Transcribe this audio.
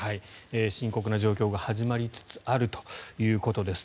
深刻な状況が始まりつつあるということです。